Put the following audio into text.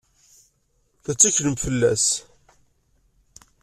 Tetteklem fell-as?